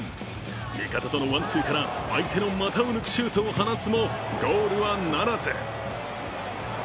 味方とのワンツーから相手の股を抜くシュートを放つもゴールはならず。